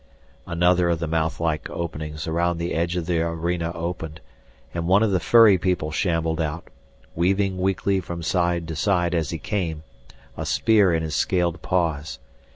Another of the mouthlike openings around the edge of the arena opened, and one of the furry people shambled out, weaving weakly from side to side as he came, a spear in his scaled paws.